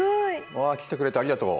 わっ来てくれてありがとう！